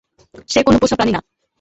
সে কোন পোষা প্রানী না।